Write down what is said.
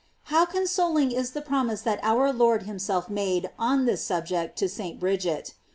* How consoling is the promise that our Lord himself made on this subject to St. Bridget.